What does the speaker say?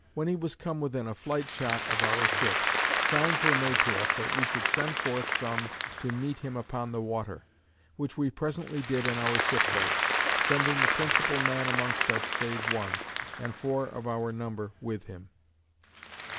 When he was come within a flightshot of our ship, signs were made to us, that we should send forth some to meet him upon the water; which we presently did in our ship boat, sending the principal man amongst us save one, and four of our number with him.